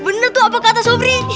bener tuh apa kata subri